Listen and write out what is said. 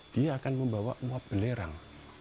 dia akan membawa uap belerang